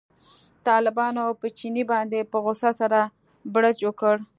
طالبانو په چیني باندې په غوسه سره بړچ وکړ.